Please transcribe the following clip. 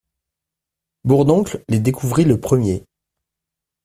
Bourdoncle les découvrit le premier.